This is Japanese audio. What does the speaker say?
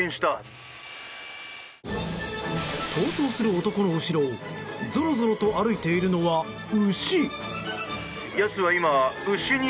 逃走する男の後ろをぞろぞろと歩いているのは牛。